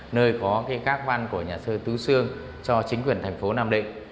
nơi có cái các văn của nhà thơ tứ xương cho chính quyền thành phố nam định